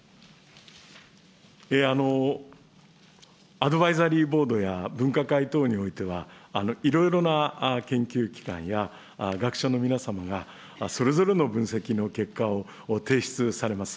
アドバイザリーボードや分科会等においては、いろいろな研究機関や学者の皆様が、それぞれの分析の結果を提出されます。